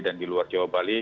dan di luar jawa bali